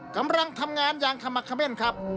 กำลังทำงานอย่างขมักเขม่นครับ